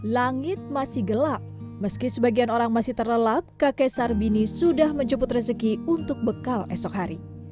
langit masih gelap meski sebagian orang masih terlelap kakek sarbini sudah menjemput rezeki untuk bekal esok hari